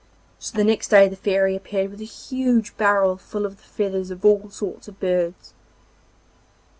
So the next day the Fairy appeared with a huge barrel full of the feathers of all sorts of birds.